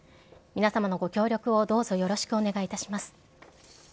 皆様のご協力をどうぞよろしくお願いいたします。